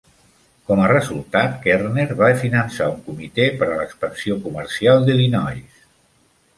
Com a resultat, Kerner va finançar un comitè per a l'expansió comercial d'Illinois.